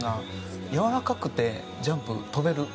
柔らかくてジャンプ跳べる？